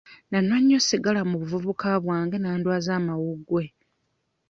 Nanywa nnyo ssigala mu buvubuka bwange n'andwaaza amawuggwe.